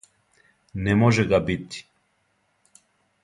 Не може га бити.